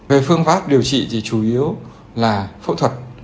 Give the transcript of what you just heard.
về phương pháp điều trị thì chủ yếu là phẫu thuật